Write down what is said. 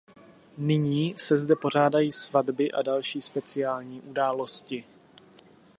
Nyní se zde pořádají svatby a další speciální události.